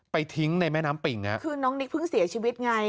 ทิ้งในแม่น้ำปิ่งฮะคือน้องนิกเพิ่งเสียชีวิตไง